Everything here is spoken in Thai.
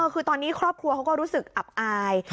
คือตอนนี้ครอบครัวเขาก็รู้สึกอับอาย